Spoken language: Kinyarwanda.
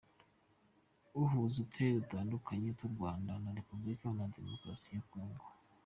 Uhuza uturere dutandukanye tw’u Rwanda na Repubulika Iharanira Demokarasi ya Kongo.